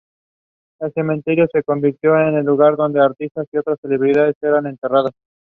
El cementerio se convirtió en el lugar donde artistas y otras celebridades eran enterradas.